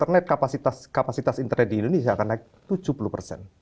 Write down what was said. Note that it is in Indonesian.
internet kapasitas internet di indonesia akan naik tujuh puluh persen